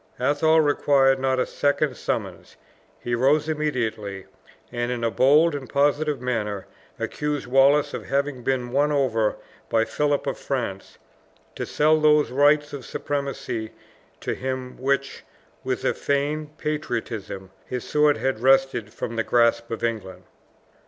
Athol required not a second summons; he rose immediately, and, in a bold and positive manner, accused Wallace of having been won over by Philip of France to sell those rights of supremacy to him which, with a feigned patriotism, his sword had wrested from the grasp of England.